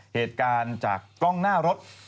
เหตุการณ์จากกล้องหน้ารถ